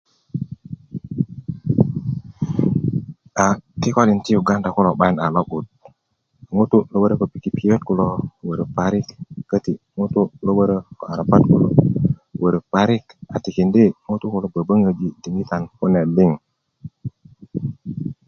aa kikolin ti yuganda 'bayin a lo'but ŋutu' lo wörö ko pikipikiyöt kolo wörö parik lo wörö ko arabat ku lo wörö parik a tikindi ŋutu' kulo yi böböŋöji diŋitan kune liŋ